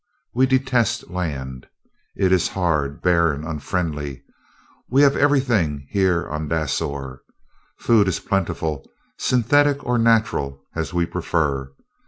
We detest land. It is hard, barren, unfriendly. We have everything, here upon Dasor. Food is plentiful, synthetic or natural, as we prefer.